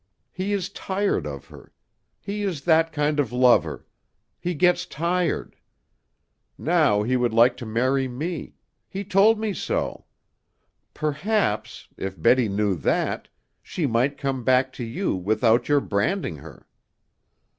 He is tired of her. He is that kind of lover. He gets tired. Now he would like to marry me. He told me so. Perhaps if Betty knew that she might come back to you, without your branding her."